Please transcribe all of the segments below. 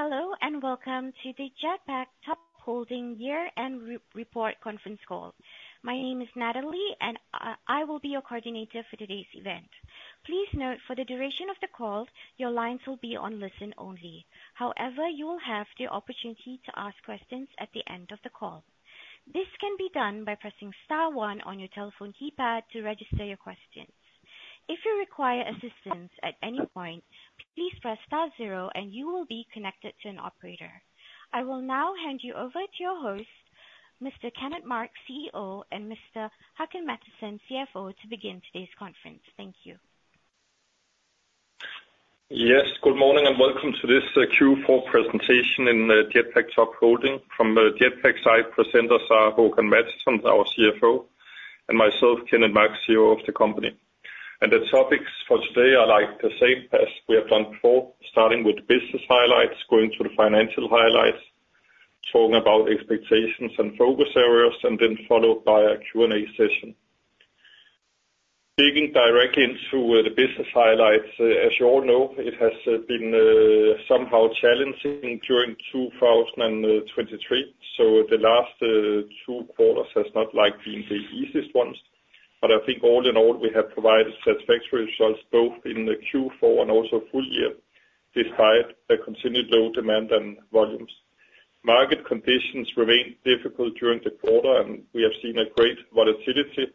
Hello and welcome to the Jetpak Top Holding Year-end Report Conference call. My name is Natalie, and I will be your coordinator for today's event. Please note, for the duration of the call, your lines will be on listen only. However, you will have the opportunity to ask questions at the end of the call. This can be done by pressing star one on your telephone keypad to register your questions. If you require assistance at any point, please press star zero and you will be connected to an operator. I will now hand you over to your host, Mr. Kenneth Marx, CEO, and Mr. Håkan Mattisson, CFO, to begin today's conference. Thank you. Yes, good morning and welcome to this Q4 presentation in Jetpak Top Holding. From Jetpak's side, presenters are Håkan Mattisson, our CFO, and myself, Kenneth Marx, CEO of the company. The topics for today are like the same as we have done before, starting with business highlights, going to the financial highlights, talking about expectations and focus areas, and then followed by a Q&A session. Digging directly into the business highlights, as you all know, it has been somehow challenging during 2023. So the last two quarters has not like been the easiest ones. But I think all in all, we have provided satisfactory results both in the Q4 and also full year, despite a continued low demand and volumes. Market conditions remained difficult during the quarter, and we have seen a great volatility.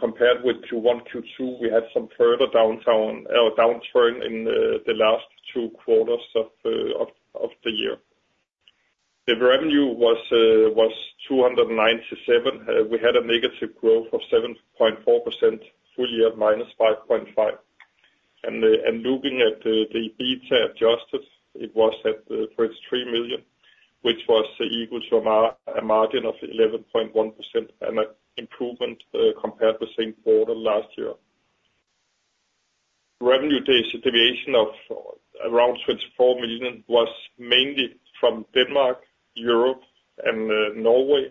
Compared with Q1, Q2, we had some further downturn in the last two quarters of the year. The revenue was 297 million. We had a negative growth of 7.4%, full year -5.5%. Looking at the adjusted EBITDA, it was at 33 million, which was equal to a margin of 11.1%, and an improvement compared with same quarter last year. Revenue deviation of around 24 million was mainly from Denmark, Europe, and Norway.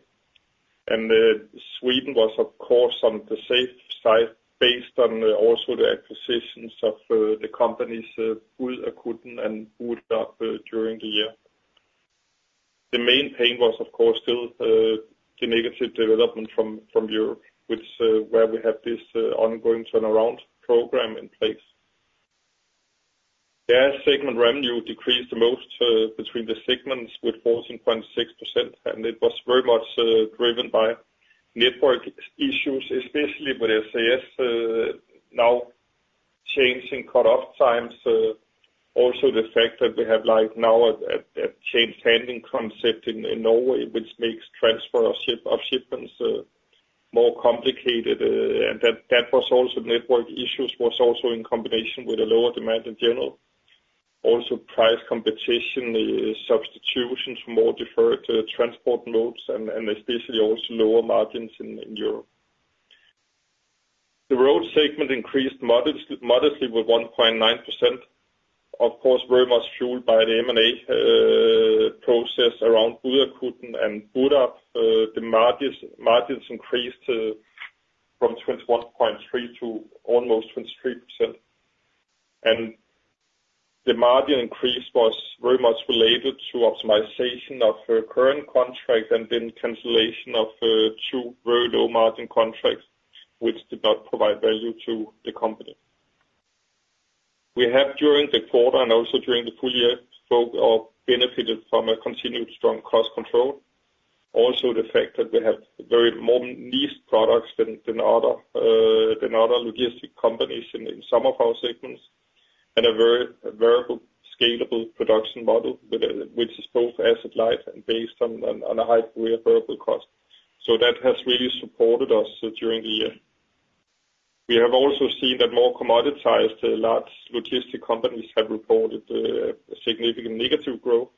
Sweden was, of course, on the safe side based on also the acquisitions of the companies, BudAB and Budakuten, during the year. The main pain was, of course, still the negative development from Europe, which where we have this ongoing turnaround program in place. Yeah, segment revenue decreased the most, between the segments with 14.6%, and it was very much driven by network issues, especially with SAS now changing cut-off times, also the fact that we have, like, now a changed handling concept in Norway, which makes transfer of shipments more complicated. And that was also network issues also in combination with a lower demand in general, also price competition, substitutions for more deferred transport modes, and especially also lower margins in Europe. The road segment increased modestly with 1.9%, of course, very much fueled by the M&A process around BudAB and Budakuten. The margins increased from 21.3% to almost 23%. And the margin increase was very much related to optimization of current contract and then cancellation of two very low-margin contracts, which did not provide value to the company. We have, during the quarter and also during the full year, benefited from a continued strong cost control, also the fact that we have very more leased products than other logistic companies in some of our segments, and a very variable, scalable production model with which is both asset-light and based on a high variable cost. So that has really supported us during the year. We have also seen that more commoditized, large logistic companies have reported significant negative growth,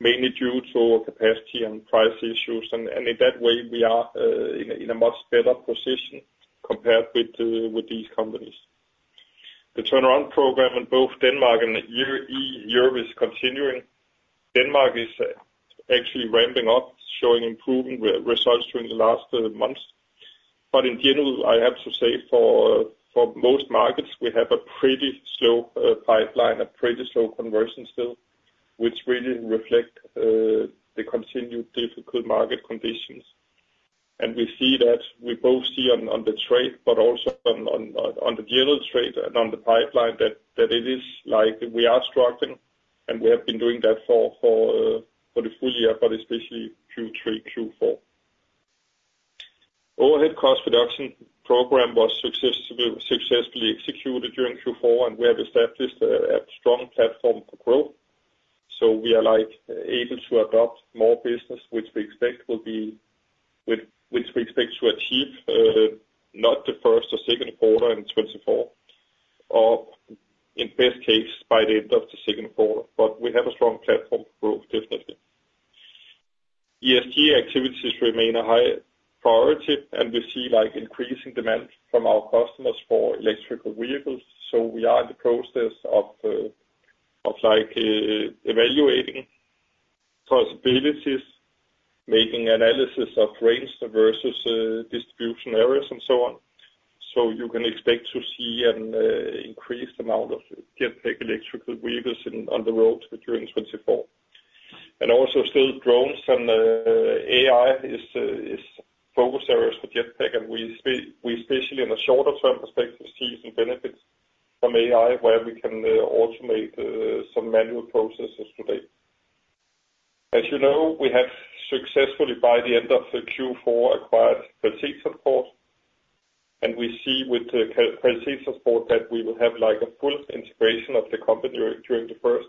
mainly due to capacity and price issues. And in that way, we are in a much better position compared with these companies. The turnaround program in both Denmark and Europe is continuing. Denmark is actually ramping up, showing improving results during the last months. In general, I have to say, for most markets, we have a pretty slow pipeline, a pretty slow conversion still, which really reflect the continued difficult market conditions. We see that on the trade, but also on the general trade and on the pipeline that it is like we are struggling, and we have been doing that for the full year, but especially Q3, Q4. Overhead cost reduction program was successfully executed during Q4, and we have established a strong platform for growth. So we are, like, able to adopt more business, which we expect to achieve, not the first or second quarter in 2024, or in best case, by the end of the second quarter. We have a strong platform for growth, definitely. ESG activities remain a high priority, and we see, like, increasing demand from our customers for electric vehicles. So we are in the process of like evaluating possibilities, making analysis of range versus distribution areas and so on. So you can expect to see an increased amount of Jetpak electric vehicles on the roads during 2024. And also still drones and AI is focus areas for Jetpak, and we especially in a shorter-term perspective see some benefits from AI where we can automate some manual processes today. As you know, we have successfully by the end of Q4 acquired Kvalitetstransport. And we see with the Kvalitetstransport that we will have like a full integration of the company during the first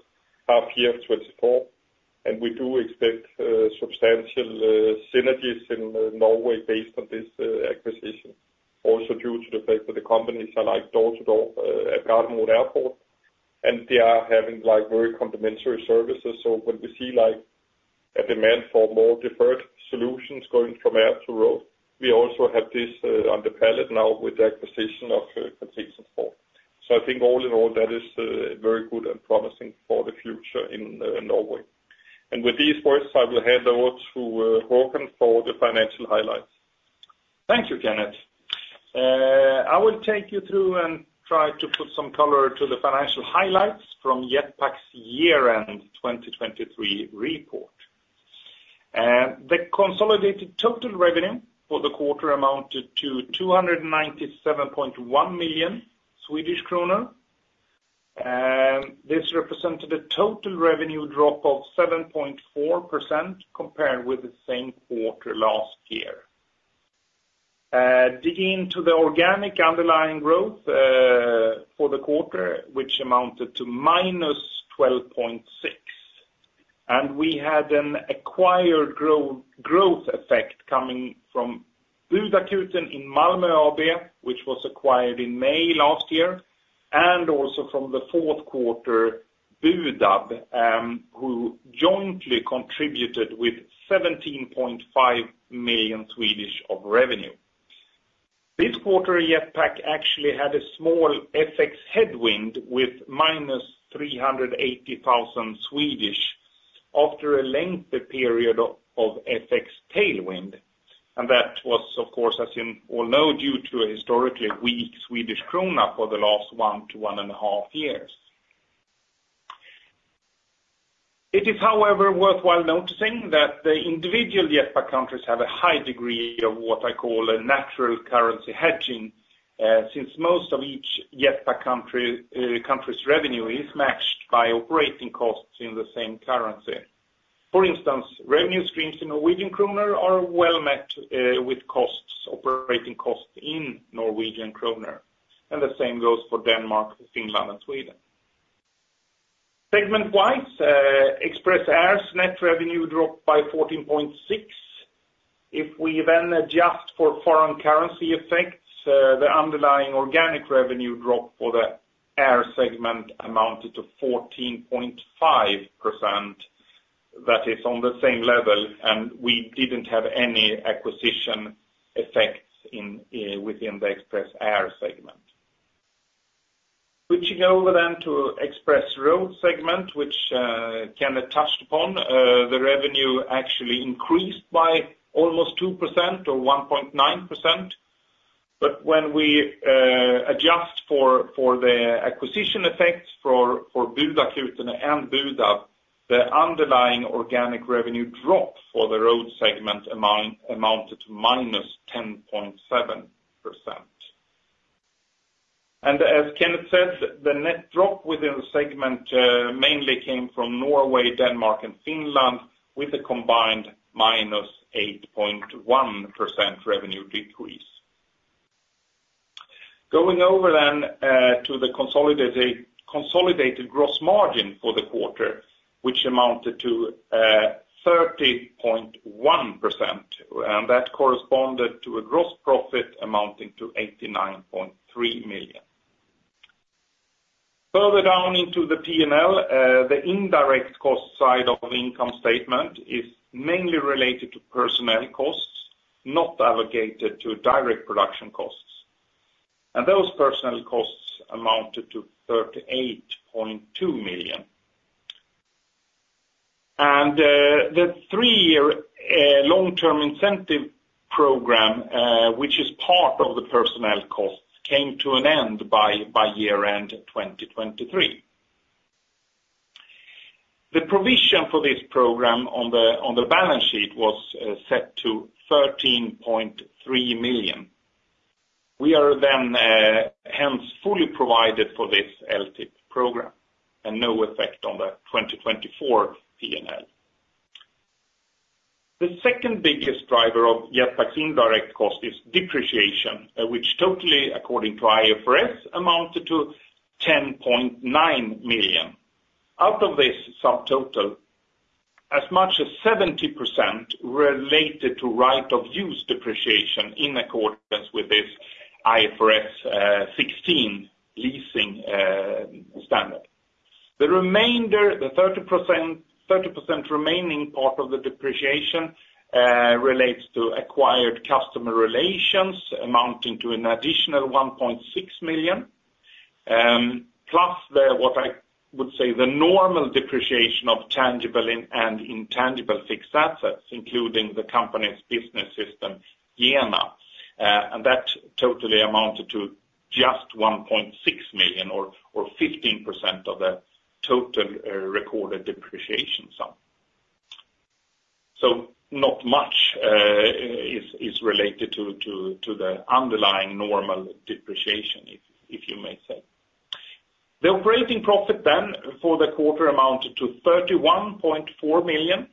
half year of 2024. We do expect substantial synergies in Norway based on this acquisition, also due to the fact that the companies are, like, door-to-door at Gardermoen Airport, and they are having, like, very complementary services. So when we see, like, a demand for more deferred solutions going from air to road, we also have this on the pallet now with the acquisition of Kvalitetstransport. So I think all in all, that is very good and promising for the future in Norway. And with these words, I will hand over to Håkan for the financial highlights. Thank you, Kenneth. I will take you through and try to put some color to the financial highlights from Jetpak's year-end 2023 report. The consolidated total revenue for the quarter amounted to 297.1 million Swedish kronor. This represented a total revenue drop of 7.4% compared with the same quarter last year. Digging into the organic underlying growth for the quarter, which amounted to -12.6%. And we had an acquired growth effect coming from Budakuten i Malmö AB, which was acquired in May last year, and also from the fourth quarter, BudAB, who jointly contributed with 17.5 million of revenue. This quarter, Jetpak actually had a small FX headwind with -380,000 after a lengthy period of FX tailwind. And that was, of course, as you all know, due to a historically weak Swedish krona for the last one to 1.5 years. It is, however, worthwhile noticing that the individual Jetpak countries have a high degree of what I call a natural currency hedging, since most of each Jetpak country, country's revenue is matched by operating costs in the same currency. For instance, revenue streams in Norwegian kroner are well met, with costs, operating costs in Norwegian kroner. And the same goes for Denmark, Finland, and Sweden. Segment-wise, Express Air's net revenue dropped by 14.6%. If we then adjust for foreign currency effects, the underlying organic revenue drop for the air segment amounted to 14.5%. That is on the same level, and we didn't have any acquisition effects in, within the Express Air segment. Switching over then to Express Road segment, which, Kenneth touched upon, the revenue actually increased by almost 2% or 1.9%. But when we adjust for the acquisition effects for BudAB and Budakuten, the underlying organic revenue drop for the road segment amounted to -10.7%. As Kenneth said, the net drop within the segment mainly came from Norway, Denmark, and Finland with a combined -8.1% revenue decrease. Going over then to the consolidated gross margin for the quarter, which amounted to 30.1%, and that corresponded to a gross profit amounting to 89.3 million. Further down into the P&L, the indirect cost side of the income statement is mainly related to personnel costs, not allocated to direct production costs. Those personnel costs amounted to 38.2 million. The three-year long-term incentive program, which is part of the personnel costs, came to an end by year-end 2023. The provision for this program on the balance sheet was set to 13.3 million. We are then, hence fully provided for this LTIP program and no effect on the 2024 P&L. The second biggest driver of Jetpak's indirect cost is depreciation, which totally, according to IFRS, amounted to 10.9 million. Out of this subtotal, as much as 70% related to right-of-use depreciation in accordance with this IFRS 16 Leases standard. The remainder the 30% remaining part of the depreciation relates to acquired customer relations amounting to an additional 1.6 million, plus the what I would say the normal depreciation of tangible and intangible fixed assets, including the company's business system, JENA, and that totally amounted to just 1.6 million or 15% of the total recorded depreciation sum. So not much is related to the underlying normal depreciation, if you may say. The operating profit then for the quarter amounted to 31.4 million,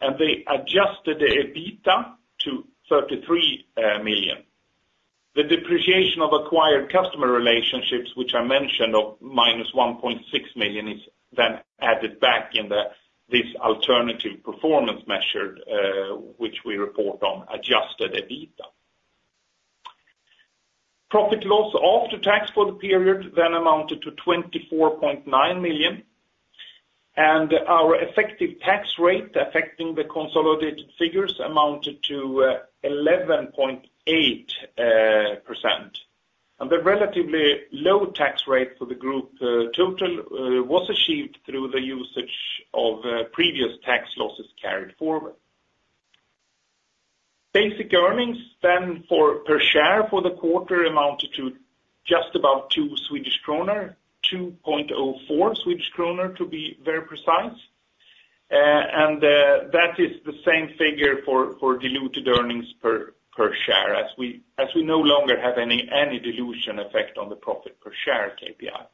and they adjusted the EBITDA to 33 million. The depreciation of acquired customer relationships, which I mentioned of -1.6 million, is then added back in this alternative performance measure, which we report on, adjusted EBITDA. Profit and loss after tax for the period then amounted to 24.9 million. Our effective tax rate affecting the consolidated figures amounted to 11.8%. The relatively low tax rate for the group total was achieved through the usage of previous tax losses carried forward. Basic earnings per share for the quarter amounted to just about 2 Swedish kronor, 2.04 Swedish kronor to be very precise, and that is the same figure for diluted earnings per share as we no longer have any dilution effect on the profit per share KPI.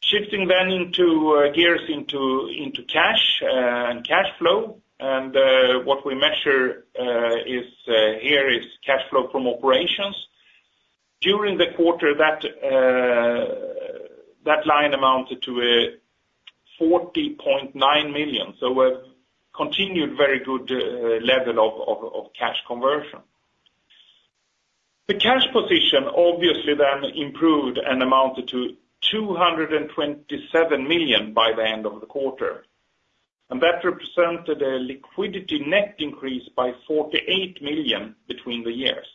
Shifting then into gears into cash and cash flow. What we measure is here is cash flow from operations. During the quarter, that line amounted to 40.9 million. So we have continued very good level of cash conversion. The cash position obviously then improved and amounted to 227 million by the end of the quarter. And that represented a liquidity net increase by 48 million between the years.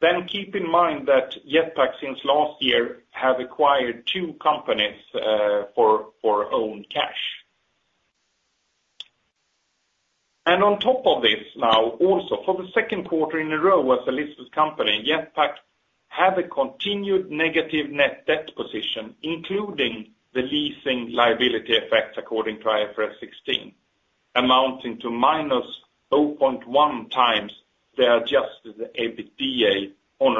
Then keep in mind that Jetpak since last year have acquired two companies for own cash. And on top of this now, for the second quarter in a row as a listed company, Jetpak had a continued negative net debt position, including the leasing liability effects according to IFRS 16, amounting to -0.1x the adjusted EBITDA on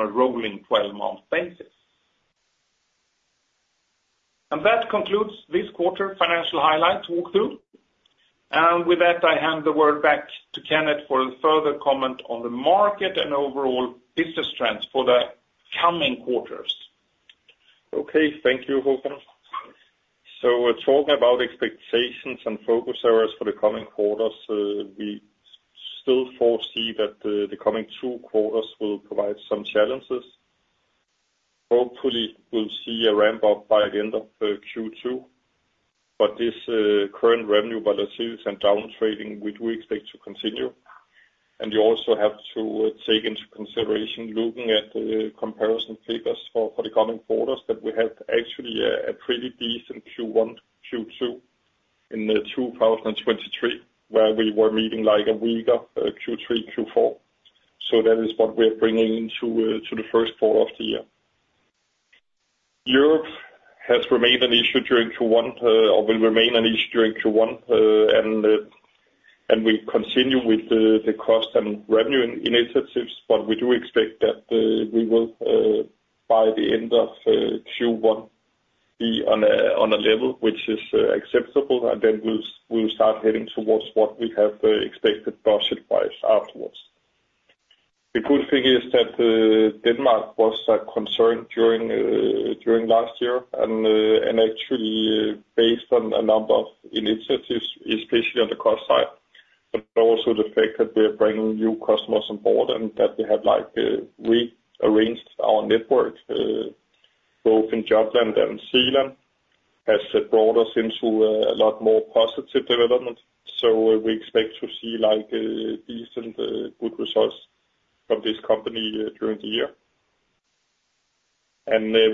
a rolling 12-month basis. And that concludes this quarter financial highlight walkthrough. With that, I hand the word back to Kenneth for further comment on the market and overall business trends for the coming quarters. Okay. Thank you, Håkan. So talking about expectations and focus areas for the coming quarters, we still foresee that the coming two quarters will provide some challenges. Hopefully, we'll see a ramp-up by the end of Q2. But this current revenue volatility and downtrading, we do expect to continue. You also have to take into consideration looking at the comparison figures for the coming quarters that we had actually a pretty decent Q1, Q2 in 2023 where we were meeting, like, a weaker Q3, Q4. That is what we are bringing into the first quarter of the year. Europe has remained an issue during Q1, or will remain an issue during Q1, and we continue with the cost and revenue initiatives. But we do expect that we will by the end of Q1 be on a level which is acceptable. And then we'll start heading towards what we have expected budget-wise afterwards. The good thing is that Denmark was concerned during last year and actually, based on a number of initiatives, especially on the cost side, but also the fact that we are bringing new customers on board and that we have, like, rearranged our network, both in Jutland and Zealand has brought us into a lot more positive development. So we expect to see, like, decent, good results from this company during the year.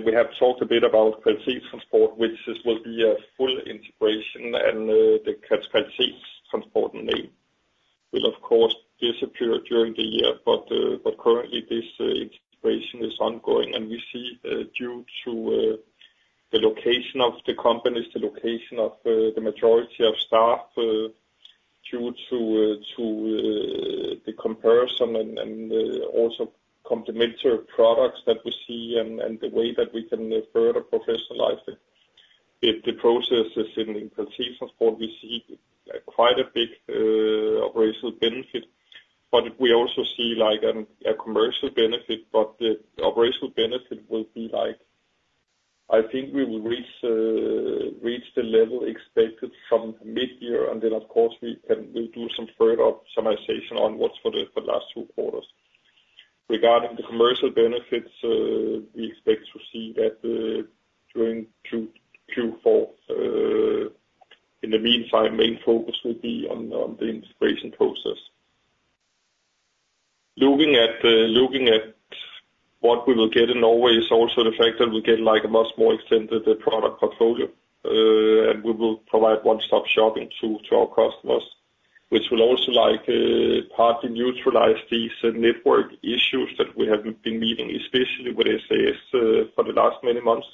We have talked a bit about Kvalitetstransport, which will be a full integration. The Kvalitetstransport name will, of course, disappear during the year. But currently, this integration is ongoing. We see, due to the location of the companies, the location of the majority of staff, due to the comparison and also complementary products that we see and the way that we can further professionalize the processes in Kvalitetstransport, we see quite a big operational benefit. But we also see, like, a commercial benefit. But the operational benefit will be, like, I think we will reach the level expected from mid-year. And then, of course, we'll do some further summarization on what's for the last two quarters. Regarding the commercial benefits, we expect to see that during Q4. In the meantime, main focus will be on the integration process. Looking at what we will get in Norway is also the fact that we'll get, like, a much more extended product portfolio, and we will provide one-stop shopping to our customers, which will also, like, partly neutralize these network issues that we have been meeting, especially with SAS, for the last many months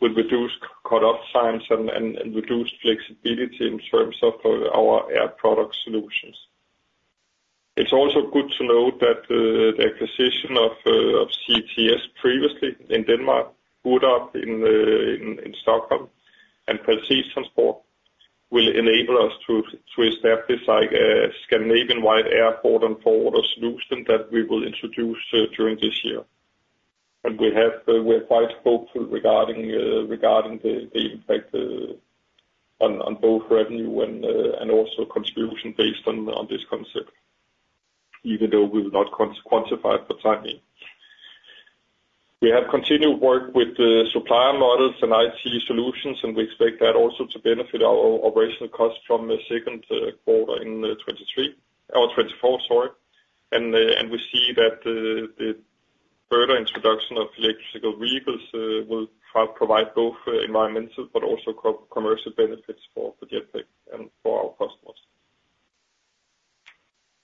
with reduced cut-off times and reduced flexibility in terms of our air product solutions. It's also good to note that the acquisition of CTS previously in Denmark, BudAB in Stockholm and Kvalitetstransport will enable us to establish, like, a Scandinavian-wide airport and forwarder solution that we will introduce during this year. And we are quite hopeful regarding the impact on both revenue and also contribution based on this concept, even though we will not quantify it for time being. We have continued work with supplier models and IT solutions, and we expect that also to benefit our operational costs from the second quarter in 2023 or 2024, sorry. And we see that the further introduction of electric vehicles will provide both environmental but also co-commercial benefits for Jetpak and for our customers.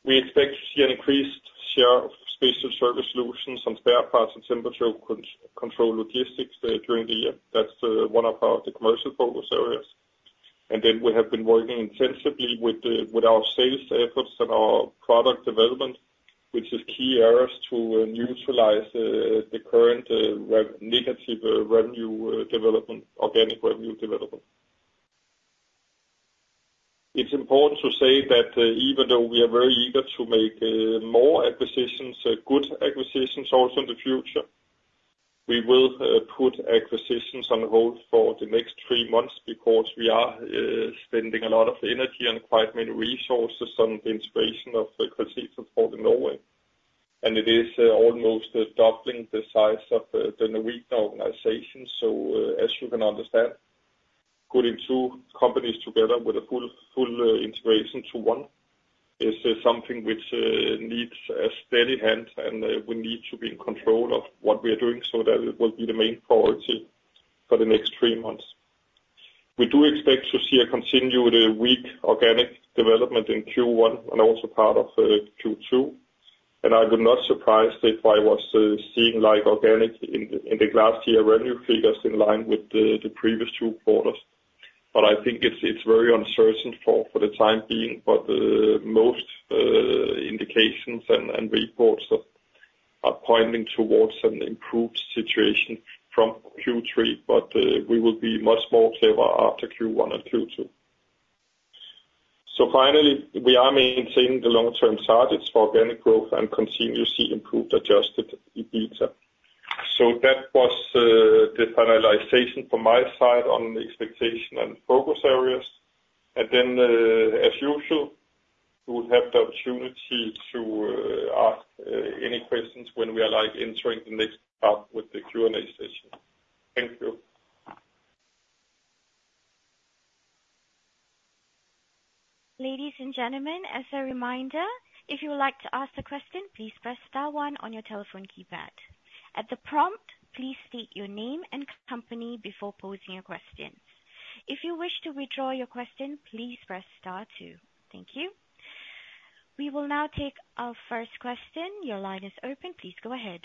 We expect to see an increased share of special service solutions and spare parts and temperature-controlled logistics during the year. That's one of our commercial focus areas. And then we have been working intensively with our sales efforts and our product development, which is key areas to neutralize the current rather negative revenue development, organic revenue development. It's important to say that, even though we are very eager to make more acquisitions, good acquisitions also in the future, we will put acquisitions on hold for the next three months because we are spending a lot of energy and quite many resources on the integration of Kvalitetstransport in Norway. It is almost doubling the size of the Norwegian organization. So, as you can understand, putting two companies together with a full, full, integration to one is something which needs a steady hand. We need to be in control of what we are doing so that it will be the main priority for the next three months. We do expect to see a continued weak organic development in Q1 and also part of Q2. I would not surprise if I was seeing like organic in the last year revenue figures in line with the previous two quarters. But I think it's very uncertain for the time being. But most indications and reports are pointing towards an improved situation from Q3. But we will be much more clever after Q1 and Q2. So finally, we are maintaining the long-term targets for organic growth and continuously improved adjusted EBITDA. So that was the finalization from my side on the expectation and focus areas. And then, as usual, you will have the opportunity to ask any questions when we are like entering the next part with the Q&A session. Thank you. Ladies and gentlemen, as a reminder, if you would like to ask a question, please press star one on your telephone keypad. At the prompt, please state your name and company before posing your questions. If you wish to withdraw your question, please press star two. Thank you. We will now take our first question. Your line is open. Please go ahead.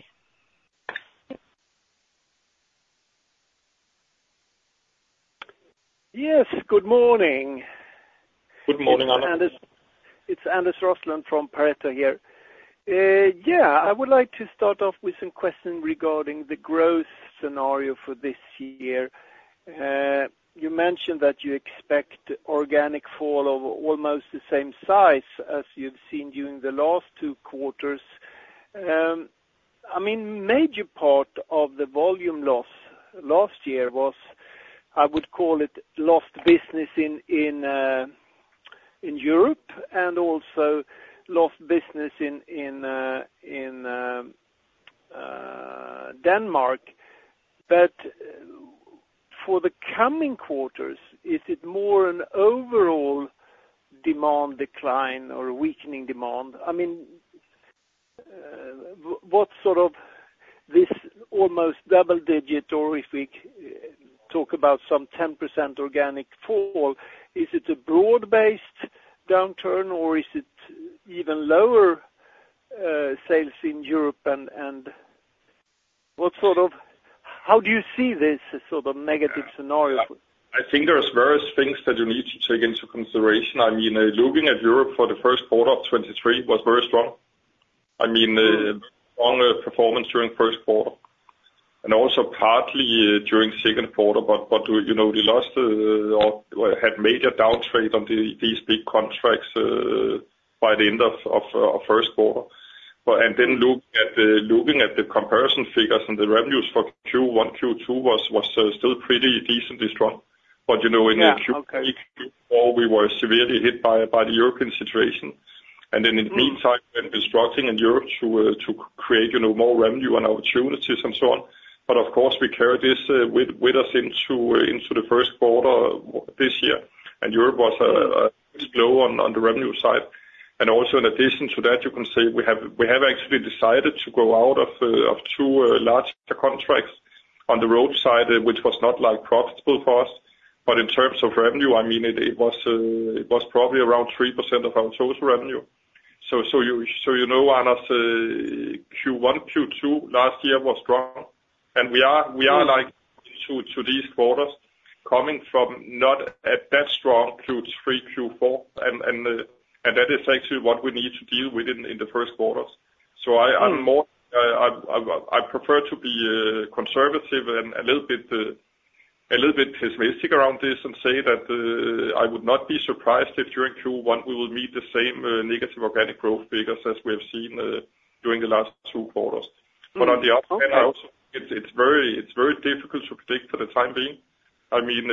Yes. Good morning. Good morning, Anders. It's Anders Roslund from Pareto here. Yeah. I would like to start off with some questions regarding the growth scenario for this year. You mentioned that you expect organic fall of almost the same size as you've seen during the last two quarters. I mean, major part of the volume loss last year was, I would call it, lost business in Europe and also lost business in Denmark. But for the coming quarters, is it more an overall demand decline or a weakening demand? I mean, what sort of this almost double-digit or if we talk about some 10% organic fall, is it a broad-based downturn, or is it even lower sales in Europe and what sort of how do you see this sort of negative scenario for? I think there's various things that you need to take into consideration. I mean, looking at Europe for the first quarter of 2023 was very strong. I mean, very strong performance during first quarter and also partly during second quarter. But you know, they lost, or had major downtrade on these big contracts, by the end of first quarter. But and then looking at the comparison figures and the revenues for Q1, Q2 was still pretty decently strong. But you know, in Q4, we were severely hit by the European situation. Then in the meantime, we've been struggling in Europe to create, you know, more revenue and opportunities and so on. But of course, we carry this with us into the first quarter this year. Europe was a big blow on the revenue side. Also in addition to that, you can say we have actually decided to go out of two larger contracts on the roadside, which was not like profitable for us. But in terms of revenue, I mean, it was probably around 3% of our total revenue. So you know, Anders, Q1, Q2 last year was strong. We are like into these quarters coming from not at that strong Q3, Q4. And that is actually what we need to deal with in the first quarters. So, I'm more. I prefer to be conservative and a little bit pessimistic around this and say that I would not be surprised if during Q1, we will meet the same negative organic growth figures as we have seen during the last two quarters. But on the other hand, I also. It's very difficult to predict for the time being. I mean,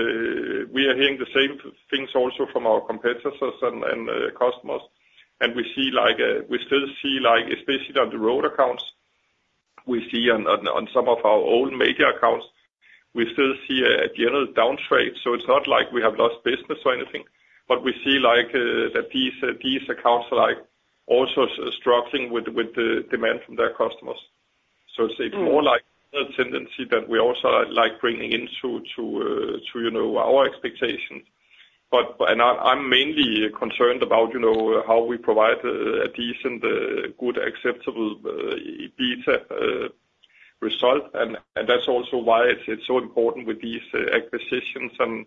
we are hearing the same things also from our competitors and customers. And we still see, like, especially on the road accounts, we see on some of our old media accounts, we still see a general downtrade. So it's not like we have lost business or anything. But we see, like, that these accounts are, like, also struggling with the demand from their customers. So it's more. Yeah. Like a tendency that we also, like, bringing into to, you know, our expectations. But and I'm mainly concerned about, you know, how we provide a decent, good, acceptable EBITDA result. And that's also why it's so important with these acquisitions and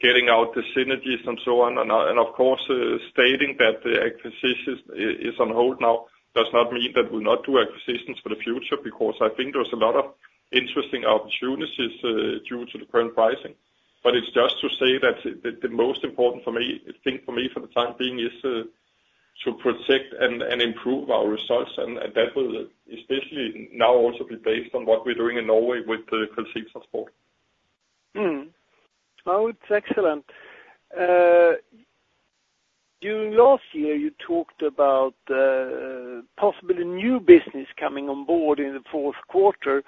getting out the synergies and so on. And of course, stating that the acquisitions is on hold now does not mean that we'll not do acquisitions for the future because I think there's a lot of interesting opportunities due to the current pricing. But it's just to say that the most important thing for me for the time being is to protect and improve our results. And that will especially now also be based on what we're doing in Norway with the Kvalitetstransport. Oh, it's excellent. You last year, you talked about possibly new business coming on board in the fourth quarter.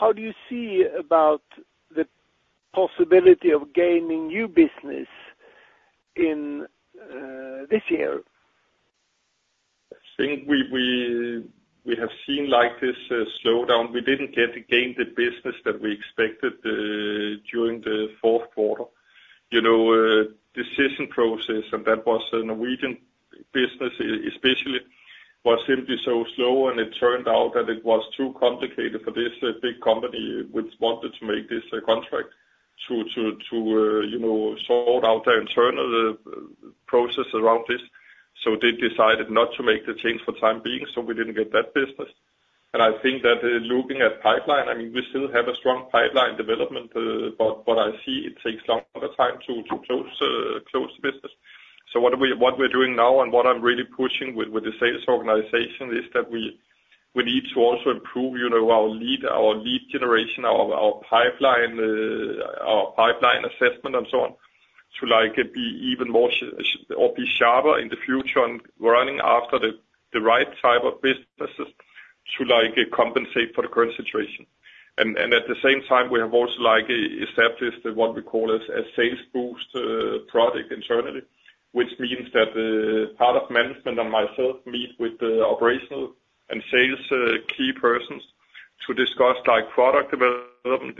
How do you see about the possibility of gaining new business in this year? I think we have seen, like, this slowdown. We didn't get to gain the business that we expected during the fourth quarter. You know, decision process and that was Norwegian business, especially, was simply so slow. And it turned out that it was too complicated for this big company which wanted to make this contract to, you know, sort out their internal process around this. So they decided not to make the change for time being. So we didn't get that business. And I think that, looking at pipeline I mean, we still have a strong pipeline development, but I see it takes longer time to close the business. So what we're doing now and what I'm really pushing with the sales organization is that we need to also improve, you know, our lead generation, our pipeline assessment and so on to, like, be even more sharper in the future on running after the right type of businesses to, like, compensate for the current situation. And at the same time, we have also, like, established what we call as sales boost product internally, which means that part of management and myself meet with the operational and sales key persons to discuss, like, product development,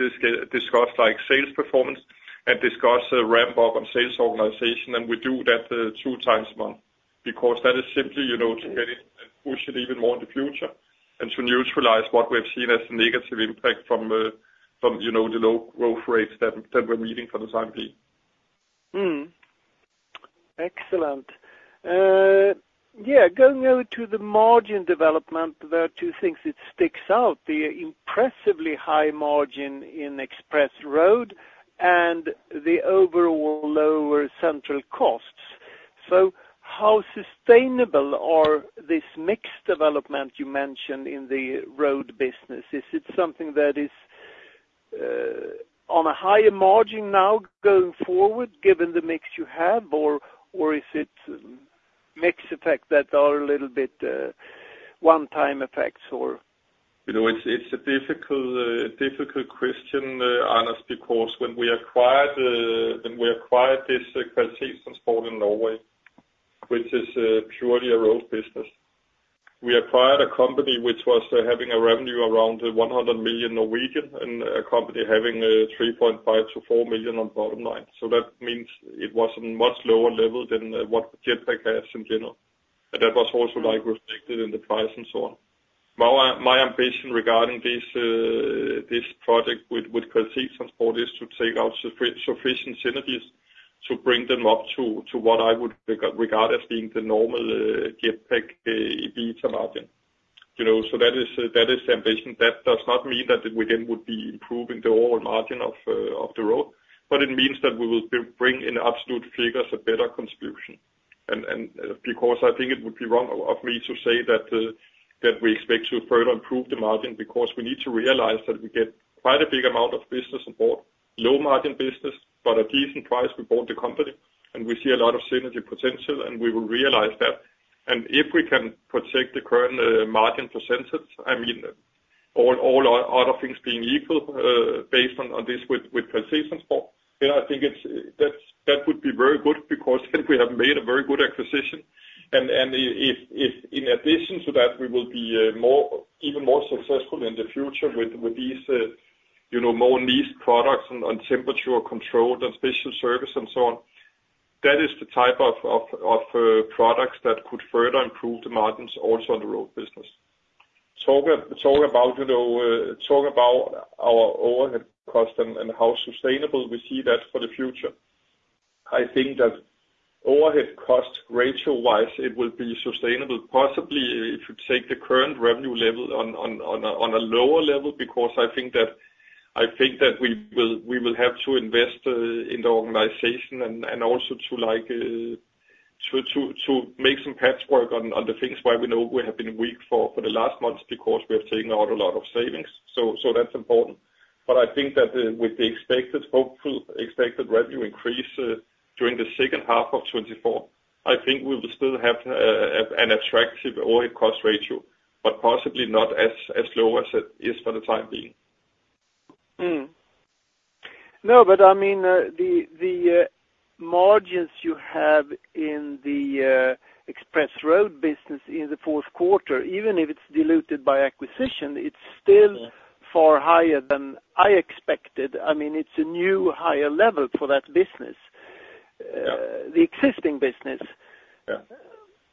discuss, like, sales performance, and discuss ramp up on sales organization. We do that two times a month because that is simply, you know, to get it and push it even more in the future and to neutralize what we have seen as the negative impact from, you know, the low growth rates that we're meeting for the time being. Excellent. Yeah. Going over to the margin development, there are two things that stick out: the impressively high margin in Express Road and the overall lower central costs. So how sustainable are this mixed development you mentioned in the road business? Is it something that is, on a higher margin now going forward given the mix you have? Or, or is it, mix effect that are a little bit, one-time effects or? You know, it's a difficult question, Anders, because when we acquired this Kvalitetstransport in Norway, which is purely a road business, we acquired a company which was having revenue around 100 million and a company having 3.5 million-4 million on bottom line. So that means it was on a much lower level than what Jetpak has in general. And that was also, like, reflected in the price and so on. My ambition regarding this project with Kvalitetstransport is to take out sufficient synergies to bring them up to what I would regard as being the normal Jetpak EBITDA margin, you know. So that is the ambition. That does not mean that we then would be improving the overall margin of the road. But it means that we will bring in absolute figures of better contribution. And because I think it would be wrong of me to say that we expect to further improve the margin because we need to realize that we get quite a big amount of business on board, low-margin business, but a decent price. We bought the company, and we see a lot of synergy potential. And we will realize that. And if we can protect the current margin percentage I mean, all other things being equal, based on this with Kvalitetstransport, then I think that would be very good because then we have made a very good acquisition. If in addition to that, we will be even more successful in the future with these, you know, more niche products on temperature control and special service and so on, that is the type of products that could further improve the margins also on the road business. Talk about, you know, our overhead cost and how sustainable we see that for the future. I think that overhead cost ratio-wise, it will be sustainable, possibly if you take the current revenue level on a lower level because I think that we will have to invest in the organization and also to, like, make some patchwork on the things where we know we have been weak for the last months because we have taken out a lot of savings. So that's important. But I think that, with the expected revenue increase during the second half of 2024, I think we will still have an attractive overhead cost ratio but possibly not as low as it is for the time being. No, but I mean, the margins you have in the Express Road business in the fourth quarter, even if it's diluted by acquisition, it's still. Yeah. Far higher than I expected. I mean, it's a new higher level for that business, Yeah. The existing business. Yeah.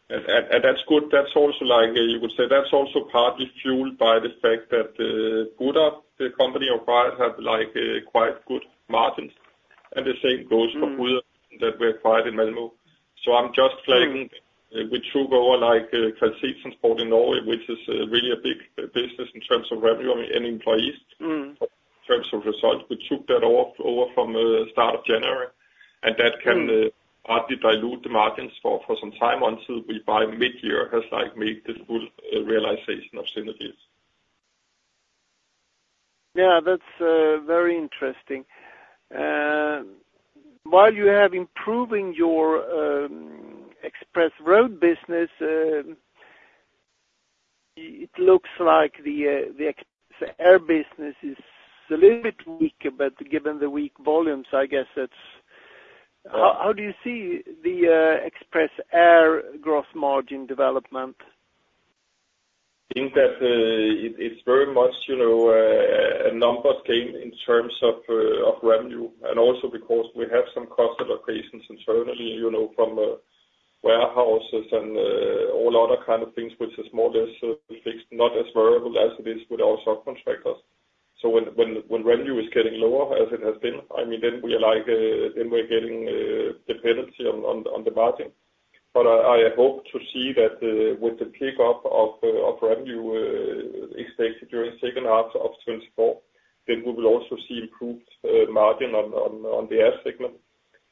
And that's good. That's also, like you would say, that's also partly fueled by the fact that, Bud, the company I acquired, have, like, quite good margins. And the same goes for BudAB that we acquired in Malmö. So I'm just flagging. We took over, like, Kvalitetstransport in Norway, which is really a big business in terms of revenue and employees. In terms of results, we took that over from start of January. And that can, Partly dilute the margins for some time until we by mid-year has, like, made the full realization of synergies. Yeah. That's very interesting. While you have improving your Express Road business, it looks like the Express Air business is a little bit weaker. But given the weak volumes, I guess that's, Yeah. How do you see the Express Air gross margin development? I think that it's very much, you know, a number scale in terms of revenue and also because we have some cost allocations internally, you know, from warehouses and all other kind of things which are more or less fixed, not as variable as it is with our subcontractors. So when revenue is getting lower as it has been, I mean, then we are like then we're getting dependency on the margin. But I hope to see that with the pickup of revenue expected during second half of 2024, then we will also see improved margin on the air segment.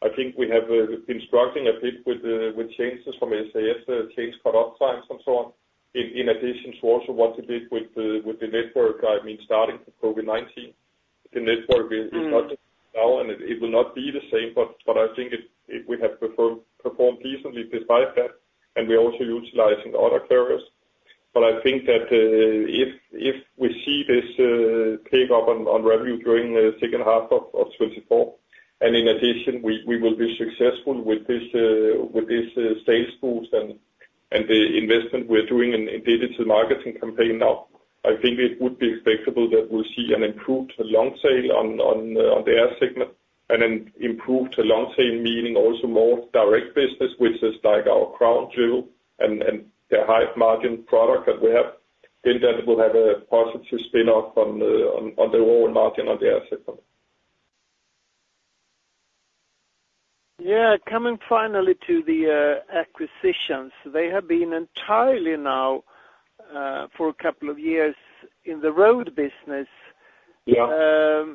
I think we have been struggling a bit with changes from SAS, change cut-off times and so on in addition to also what we did with the network. I mean, starting with COVID-19, the network is. Not the same now. And it will not be the same. But I think we have performed decently despite that. And we're also utilizing other carriers. But I think that if we see this pickup on revenue during second half of 2024 and in addition, we will be successful with this sales boost and the investment we're doing in digital marketing campaign now, I think it would be acceptable that we'll see an improved long sale on the air segment and an improved long sale, meaning also more direct business which is, like, our crown jewel and the high-margin product that we have. Then that will have a positive spin-off on the overall margin on the air segment. Yeah. Coming finally to the acquisitions. They have been entirely now, for a couple of years in the road business. Yeah.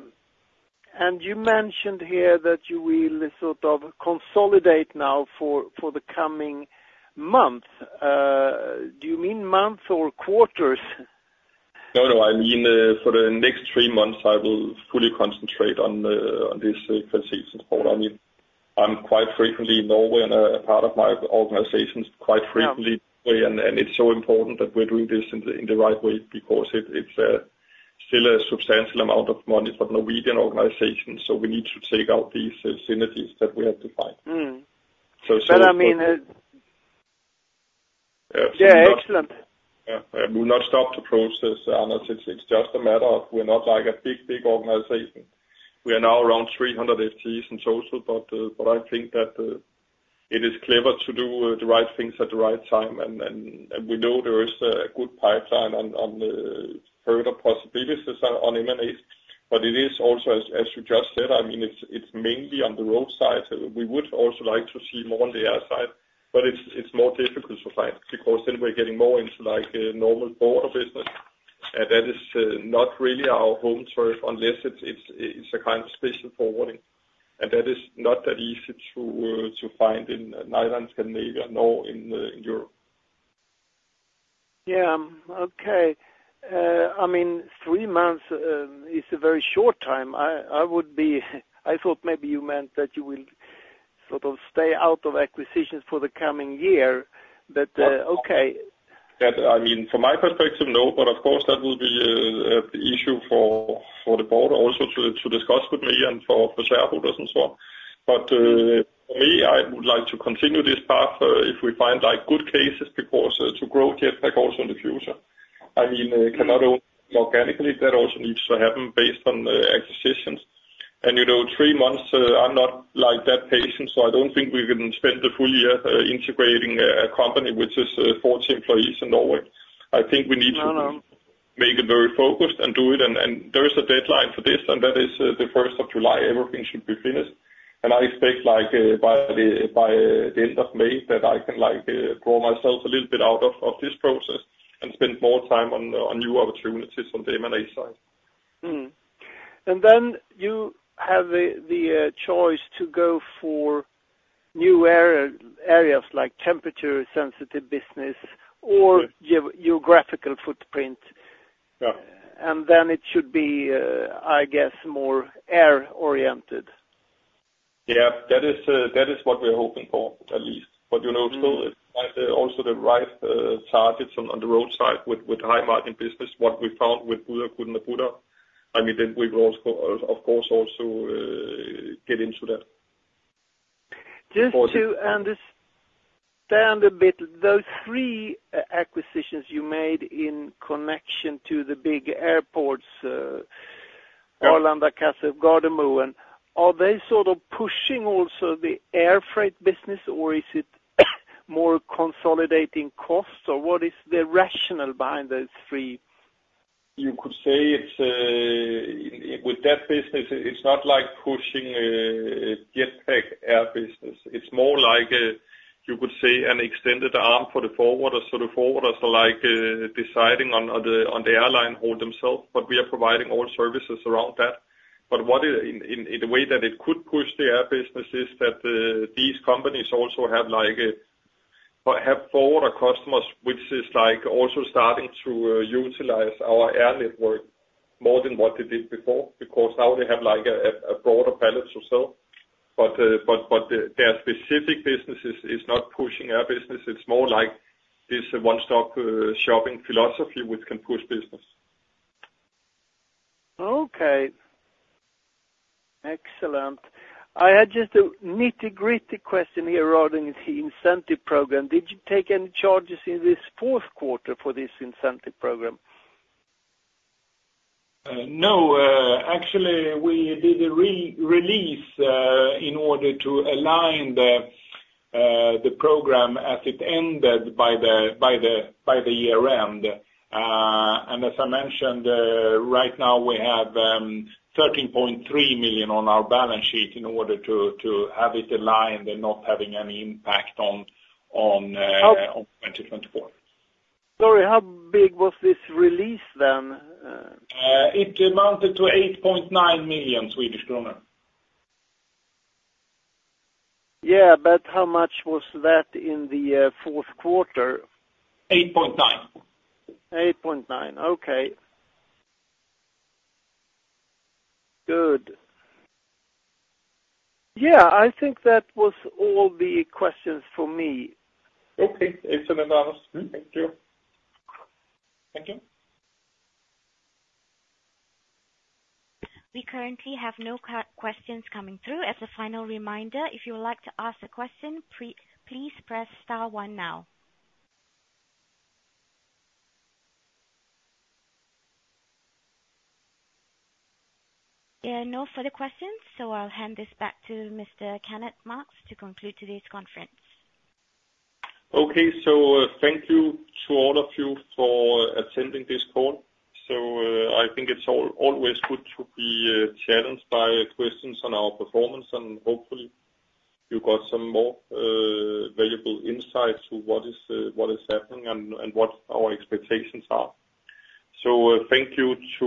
You mentioned here that you will sort of consolidate now for, for the coming month. Do you mean months or quarters? No, no. I mean, for the next three months, I will fully concentrate on this, Kvalitetstransport. I mean, I'm quite frequently in Norway and, part of my organization's quite frequently. Norway. And it's so important that we're doing this in the right way because it's still a substantial amount of money for the Norwegian organization. So we need to take out these synergies that we have to find. So. But I mean. Yeah. Yeah. Excellent. Yeah. Yeah. We will not stop the process, Anders. It's, it's just a matter of we're not, like, a big, big organization. We are now around 300 FTEs in total. But, but I think that, it is clever to do, the right things at the right time. And, and, and we know there is a good pipeline on, on, further possibilities on, on M&As. But it is also as, as you just said, I mean, it's, it's mainly on the roadside. We would also like to see more on the air side. But it's, it's more difficult to find because then we're getting more into, like, normal border business. And that is, not really our home turf unless it's, it's, it's a kind of special forwarding. And that is not that easy to, to find in, Northern Scandinavia nor in, in Europe. Yeah. Okay. I mean, three months is a very short time. I, I would be I thought maybe you meant that you will sort of stay out of acquisitions for the coming year. But, Oh. Okay. That, I mean, from my perspective, no. But of course, that will be the issue for the board also to discuss with me and for shareholders and so on. But for me, I would like to continue this path if we find, like, good cases because to grow Jetpak also in the future. I mean, cannot only organically. That also needs to happen based on acquisitions. And you know, three months, I'm not, like, that patient. So I don't think we can spend the full year integrating a company which is 40 employees in Norway. I think we need to. No, no. Make it very focused and do it. And there is a deadline for this. And that is, the 1st of July. Everything should be finished. And I expect, like, by the end of May that I can, like, draw myself a little bit out of this process and spend more time on new opportunities on the M&A side. And then you have the choice to go for new areas like temperature-sensitive business or. Yeah. Geo-geographical footprint. Yeah. And then it should be, I guess, more air-oriented. Yeah. That is, that is what we're hoping for at least. But, you know, still. It's also the right targets on the roadside with high-margin business, what we found with Budakuten and BudAB. I mean, then we will also, of course, get into that. Just to understand a bit. Those three acquisitions you made in connection to the big airports, Arlanda, Kastrup, Gardermoen, are they sort of pushing also the air freight business? Or is it more consolidating costs? Or what is the rationale behind those three? You could say it's, with that business, it's not like pushing Jetpak air business. It's more like, you could say, an extended arm for the forwarders. So the forwarders are, like, deciding on the airline haul themselves. But we are providing all services around that. But what it in the way that it could push the air business is that these companies also have, like, forwarder customers which is, like, also starting to utilize our air network more than what they did before because now they have, like, a broader pallet to sell. But their specific business is not pushing air business. It's more like this one-stop shopping philosophy which can push business. Okay. Excellent. I had just a nitty-gritty question here regarding the incentive program. Did you take any charges in this fourth quarter for this incentive program? No. Actually, we did a re-release in order to align the program as it ended by the year-end. And as I mentioned, right now we have 13.3 million on our balance sheet in order to have it aligned and not having any impact on, How. On 2024. Sorry. How big was this release then? It amounted to 8.9 million Swedish kronor. Yeah. But how much was that in the fourth quarter? 8.9 million. Okay. Good. Yeah. I think that was all the questions for me. Okay. Excellent, Anders. Thank you. Thank you. We currently have no questions coming through. As a final reminder, if you would like to ask a question, please press star one now. There are no further questions. So I'll hand this back to Mr. Kenneth Marx to conclude today's conference. Okay. So, thank you to all of you for attending this call. So, I think it's always good to be challenged by questions on our performance. And hopefully, you got some more valuable insight to what is happening and what our expectations are. So, thank you to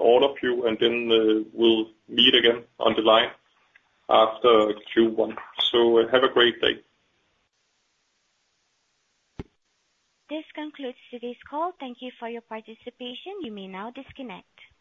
all of you. And then, we'll meet again on the line after Q1. So, have a great day. This concludes today's call. Thank you for your participation. You may now disconnect.